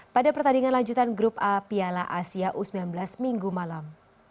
pada pertandingan lanjutan grup a piala asia u sembilan belas minggu malam